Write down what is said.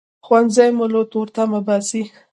ښوونځی مو له تورتمه باسي